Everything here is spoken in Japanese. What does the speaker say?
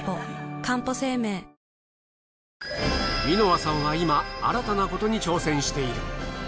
箕輪さんは今新たなことに挑戦している。